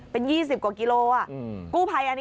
เป็น๒๐กว่ากิโลกรัม